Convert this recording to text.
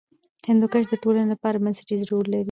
هندوکش د ټولنې لپاره بنسټیز رول لري.